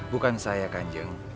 bukan saya kanjeng